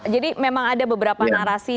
jadi memang ada beberapa narasi yang disampaikan